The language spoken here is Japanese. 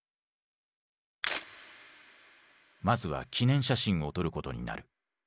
まずは記念写真を撮ることになる。